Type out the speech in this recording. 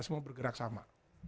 semua bergerak sama